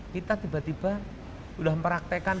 kita tiba tiba sudah mempraktekan